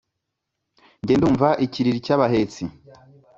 Njye ndumva ikiriri cy’abahetsi